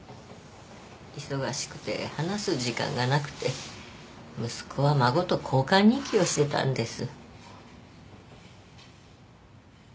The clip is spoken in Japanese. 忙しくて話す時間がなくて息子は孫と交換日記をしてたんです。